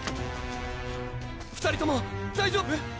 ２人とも大丈夫？